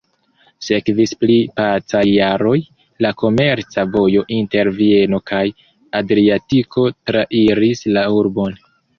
Sekvis pli pacaj jaroj, la komerca vojo inter Vieno kaj Adriatiko trairis la urbon.